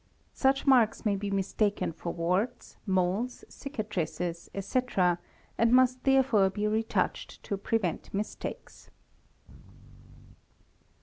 Such marks may be mistaken for warts, moles, cicatrices, ' etc., and must therefore be retouched to prevent mistakes.